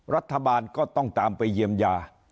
รัฐบาลก็ต้องตามไปเยียวยา